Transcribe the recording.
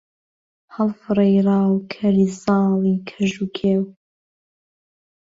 هەڵفڕی ڕاوکەری زاڵی کەژ و کێو